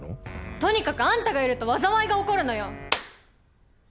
とにかくアンタがいると災いが起こるのよ！